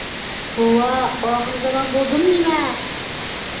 توۋا، ئاخىر زامان بولدىمۇ نېمە؟ !